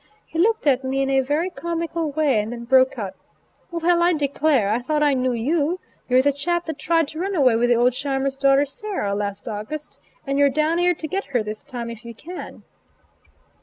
He looked at me in a very comical way, and then broke out: "Well, I declare, I thought I knew you, you're the chap that tried to run away with old Scheimer's daughter Sarah, last August; and you're down here to get her this time, if you can."